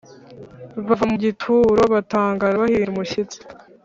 Bava mu gituro batangara bahinda umushyitsi